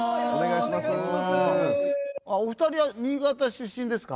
お二人は新潟出身ですか？